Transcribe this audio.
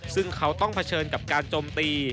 ซึ่งเขาต้องเผชิญกับการโจมตี